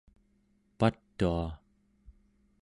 patua